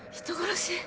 人殺し！